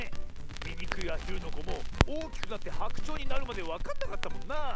「みにくいアヒルのこ」もおおきくなってハクチョウになるまでわかんなかったもんなあ。